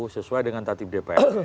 sesuai dengan tatib dpr